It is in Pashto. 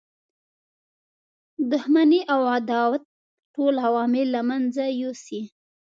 دښمنی او عداوت ټول عوامل له منځه یوسي.